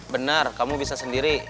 benar kamu bisa sendiri